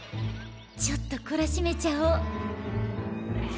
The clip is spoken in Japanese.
ちょっとこらしめちゃお。